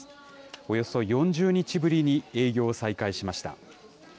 およそ４０日ぶりに営業を再開しました。